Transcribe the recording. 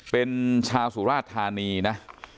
เป็นชาวสุราชธานีนะ